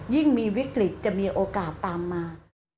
ยิ่งมีวิกฤตจะมีโอกาสตามมา